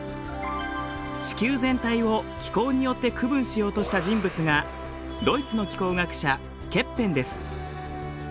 地球全体を気候によって区分しようとした人物がドイツの気候学者ケッペンです。